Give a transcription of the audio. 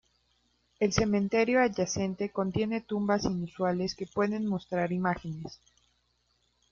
El cementerio adyacente contiene tumbas inusuales que pueden mostrar imágenes.